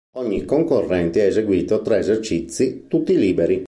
Ogni concorrente ha eseguito tre esercizi, tutti liberi.